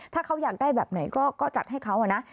ถ้าเขาอยากได้แบบไหนก็จัดให้เขานะ